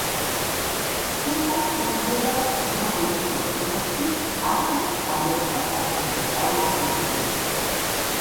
ცეკვა სრულდება, როგორც ქორწილებში ასევე სხვადასხვა სადღესასწაულო ღონისძიებებზე.